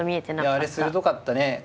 いやあれ鋭かったね。